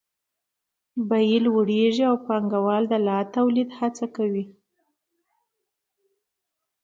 بیې لوړېږي او پانګوال د لا تولید هڅه کوي